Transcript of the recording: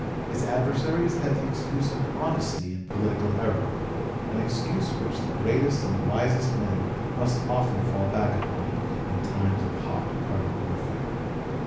His adversaries had the excuse of honesty in political error an excuse which the greatest and wisest men must often fall back upon in times of hot party warfare.